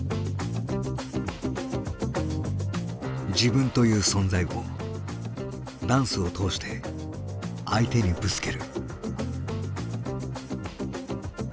自分という存在をダンスを通して相手にぶつける。